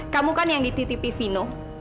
kamu kan yang dititipi vino